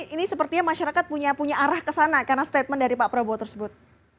ini sepertinya masyarakat punya arah kesana karena statement dari pak prabowo tersebut